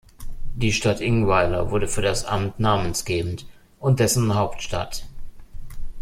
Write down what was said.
Die Stadt Ingweiler wurde für das Amt namensgebend und dessen „Hauptstadt“.